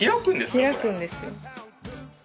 開くんですよ。